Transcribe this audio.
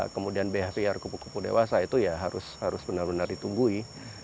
kemudian bhpr kupu kupu dewasa itu ya harus benar benar ditunggui